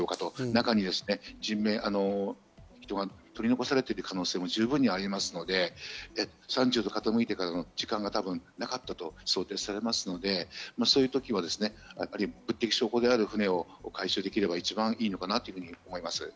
中に人が取り残されている可能性も十分にありますので３０度傾いてからの時間がなかったと想定されますので、そういう時は物的証拠である船を回収できれば一番いいのかなと思います。